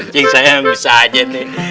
cik sayang bisa aja ntar